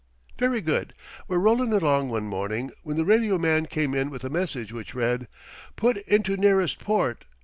"Very good. We're rollin' along one morning when the radio man came in with a message which read: 'PUT INTO NEAREST PORT.